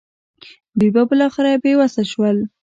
دوی به بالاخره بې وسه شول.